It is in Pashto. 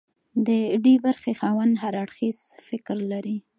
د ډي برخې خاوند هر اړخیز فکر لري.